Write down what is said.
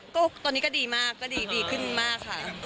ก็ตอนนี้ก็ดีมากก็ดีขึ้นมากค่ะ